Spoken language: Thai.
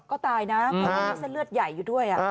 ก็ตายนะเพราะว่ามีเส้นเลือดใหญ่อยู่ด้วย